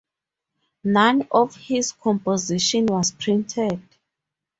None of his compositions was printed.